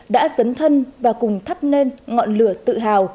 đã dấn thân và cùng thắp lên ngọn lửa tự hào